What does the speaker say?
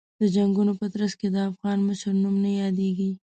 د جنګونو په ترڅ کې د افغان مشر نوم نه یادېږي.